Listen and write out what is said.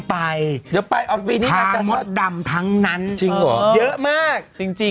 ไปเป็นสกำกาแด่ดู